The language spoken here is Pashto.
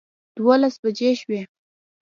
دولس بجې شوې.